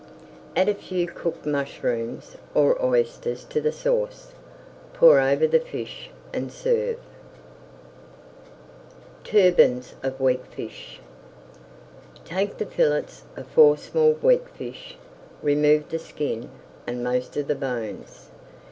Add a few cooked mushrooms or oysters to the sauce, pour over the fish, and serve. [Page 437] TURBANS OF WEAKFISH Take the fillets of four small weakfish, remove the skin and most of the bones.